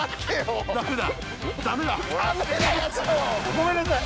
ごめんなさい。